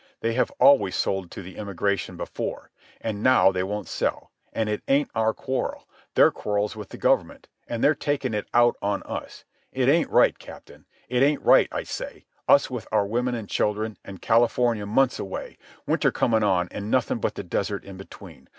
"They have always sold to the immigration before. And now they won't sell. And it ain't our quarrel. Their quarrel's with the government, an' they're takin' it out on us. It ain't right, Captain. It ain't right, I say, us with our women an' children, an' California months away, winter comin' on, an' nothin' but desert in between.